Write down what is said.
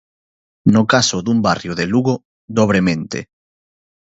No caso dun barrio de Lugo, dobremente.